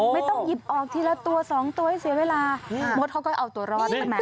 ไม่ต้องหยิบออกทีละตัวสองตัวให้เสียเวลามดเขาก็เอาตัวรอดใช่ไหม